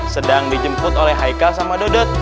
sedang dijemput oleh haikal sama dodot